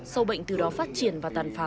sâu bệnh từ đó phát triển và tàn phá